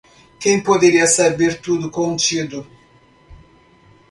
Quem poderia saber tudo contido?